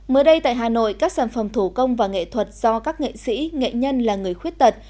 mới đây tại hà nội các sản phẩm thủ công và nghệ thuật do các nghệ sĩ nghệ nhân là người khuyết tật